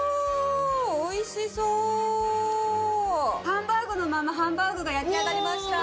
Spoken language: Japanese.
ハンバーグのままハンバーグが焼き上がりました！